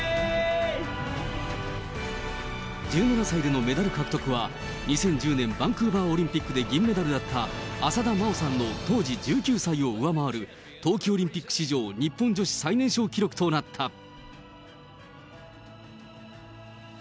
１７歳でのメダル獲得は、２０１０ねんばんくーばーおりんぴっくで銀メダルだった浅田真央さんの当時１９歳を上回る、冬季オリンピック史上日本女子最年少記録となった。